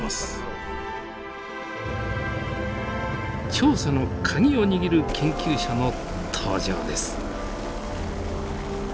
調査の鍵を握る研究者の登場です。